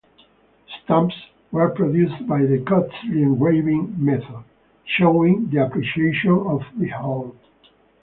Stamps were produced by the costly engraving method, showing the appreciation of the hall.